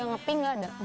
yang pink gak ada